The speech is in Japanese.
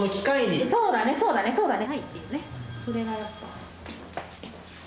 そうだねそうだねそうだね。